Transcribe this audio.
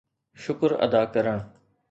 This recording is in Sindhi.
شڪر ادا ڪرڻ